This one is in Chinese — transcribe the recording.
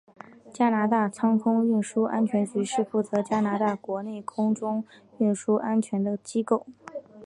加拿大航空运输安全局是负责加拿大国内空中运输安全的机构。